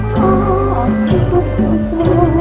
สวัสดีครับ